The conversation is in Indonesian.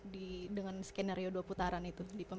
di dengan skenario dua putaran itu di pemilu dua ribu dua puluh empat